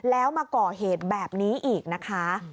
แล้วมาก่อเหตุแบบนี้อีกนะคะ